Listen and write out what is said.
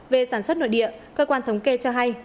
về sản xuất nội địa cơ quan thống kê cho hay